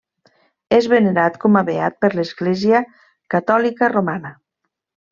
És venerat com a beat per l'Església Catòlica Romana.